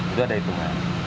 itu ada hitungan